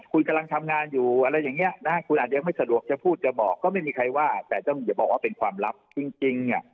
คุณกำลังทำงานอยู่อะไรอย่างนี้นะคุณอาจยังไม่สะดวกจะพูดจะบอกก็ไม่มีใครว่าแต่ต้องอย่าบอกว่าเป็นความลับจริงเนี่ย